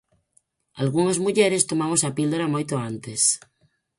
Algunhas mulleres tomamos a píldora moito antes.